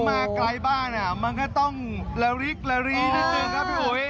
ผมมาไกลบ้านอ่ะมันก็ต้องละริละรินิดนึงนะครับนี่โหย